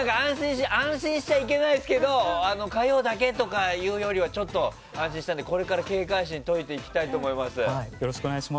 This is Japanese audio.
安心しちゃいけないですけど火曜だけとか言うよりは安心したのでこれから警戒心を解いていきたいと思います。